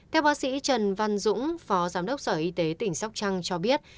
theo bác sĩ trần văn dũng phó giám đốc sở y tế tỉnh sóc trăng cho biết